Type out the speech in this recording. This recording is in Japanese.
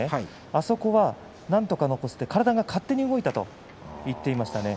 あそこはなんとか残して体が勝手に動いたと言っていましたね。